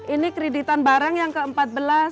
ini kreditan barang yang ke empat belas